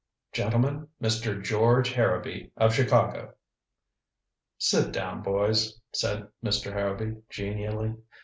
Gentlemen Mr. George Harrowby, of Chicago!" "Sit down, boys," said Mr. Harrowby genially.